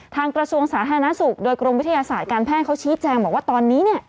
ทางกระชวงสาธารณสุขโดยกรมวิทยาศาสตร์การแพร่เขาชี้แจงว่าตอนนี้